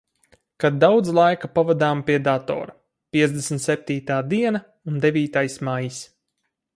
Kad daudz laika pavadām pie datora. Piecdesmit septītā diena un devītais maijs.